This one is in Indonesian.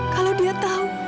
kalo dia tau